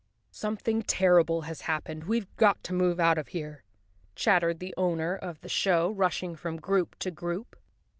" Something terrible has happened; we've got to move 33 The Cowardly Lion of Oz out of here," chattered the owner of the show, rushing from group to group.